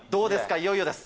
いよいよです。